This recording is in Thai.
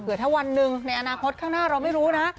เพื่อถ้าวันหนึ่งในอนาคตข้างหน้าเราไม่รู้นะ